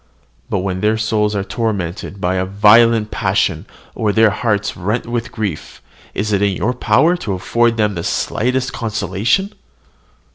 But when their souls are tormented by a violent passion, or their hearts rent with grief, is it in your power to afford them the slightest consolation?